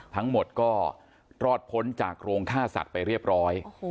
ทั้งหมดก็รอดพ้นจากโรงฆ่าสัตว์ไปเรียบร้อย